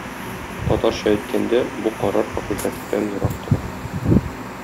Татарча әйткәндә, бу карар хакыйкатьтән ерак тора.